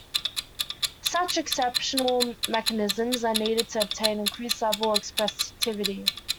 Such exceptional mechanisms are needed to obtain an increased level of expressivity.